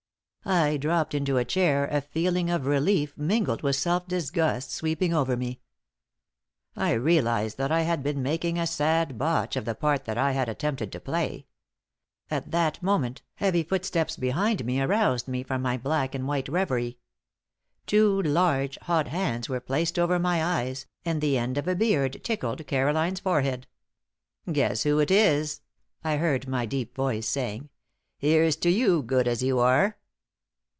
I dropped into a chair, a feeling of relief mingled with self disgust sweeping over me. I realized that I had been making a sad botch of the part that I had attempted to play. At that moment, heavy footsteps behind me aroused me from my black and white revery. Two large, hot hands were placed over my eyes, and the end of a beard tickled Caroline's forehead. "Guess who it is?" I heard my deep voice saying. "Here's to you, good as you are!"